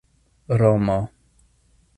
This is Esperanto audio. romo